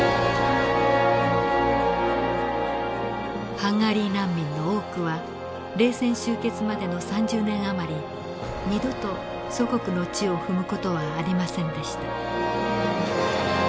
ハンガリー難民の多くは冷戦終結までの３０年余り二度と祖国の地を踏む事はありませんでした。